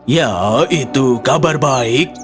ya itu kabar baik